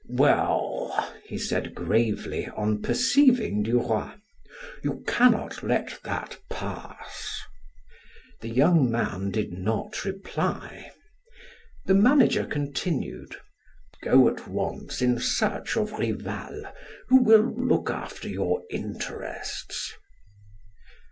"Well," he said gravely, on perceiving Duroy, "you cannot let that pass." The young man did not reply. The manager continued: "Go at once in search of Rival, who will look after your interests."